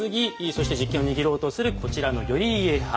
そして実権を握ろうとするこちらの頼家派。